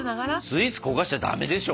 スイーツ焦がしちゃダメでしょ。